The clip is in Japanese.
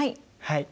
はい！